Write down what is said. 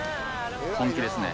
本気ですね。